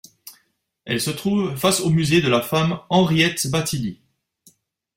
Elle se trouve face au Musée de la Femme Henriette-Bathily.